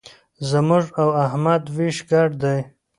زموږ او احمد وېش ګډ دی.